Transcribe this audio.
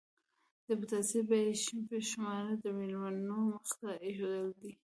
پتاسې به یې په شمار د مېلمنو مخې ته ایښودلې.